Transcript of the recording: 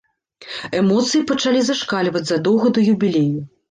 Эмоцыі пачалі зашкальваць задоўга да юбілею.